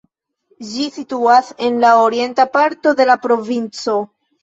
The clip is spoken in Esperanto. Ĝi situas en la orienta parto de la provinco.